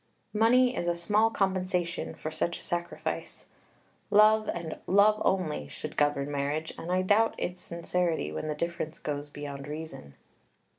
Money is a small compensation for such a sacrifice. Love, and love only, should govern marriage, and I doubt its sincerity when the difference goes beyond reason.